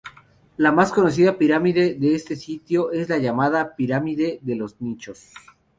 La más conocida pirámide de este sitio es la llamada "Pirámide de los Nichos".